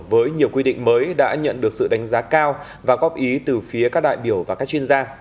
với nhiều quy định mới đã nhận được sự đánh giá cao và góp ý từ phía các đại biểu và các chuyên gia